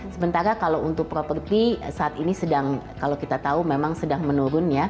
sementara kalau untuk properti saat ini sedang kalau kita tahu memang sedang menurun ya